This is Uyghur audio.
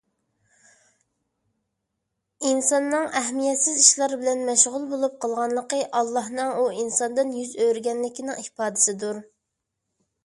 ئىنساننىڭ ئەھمىيەتسىز ئىشلار بىلەن مەشغۇل بولۇپ قالغانلىقى، ئاللاھنىڭ ئۇ ئىنساندىن يۈز ئۆرۈگەنلىكىنىڭ ئىپادىسىدۇر.